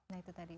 nah itu tadi